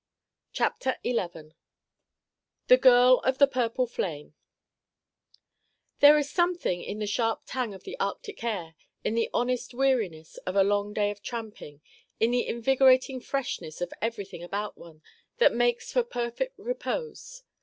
CHAPTER XI THE GIRL OF THE PURPLE FLAME There is something in the sharp tang of the Arctic air, in the honest weariness of a long day of tramping, in the invigorating freshness of everything about one, that makes for perfect repose.